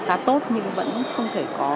khá tốt nhưng vẫn không thể có